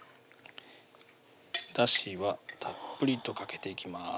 だしはたっぷりとかけていきます